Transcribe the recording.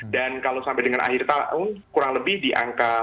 dan kalau sampai dengan akhir tahun kurang lebih ya itu cukup murah